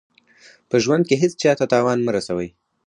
په ژوند کې هېڅ چا ته زیان مه رسوئ.